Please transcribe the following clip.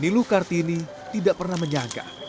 niluh kartini tidak pernah menyangka